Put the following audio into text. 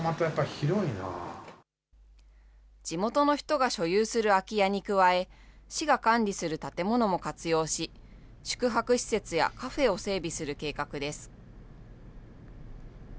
地元の人が所有する空き家に加え、市が管理する建物も活用し、宿泊施設やカフェを整備する計画です。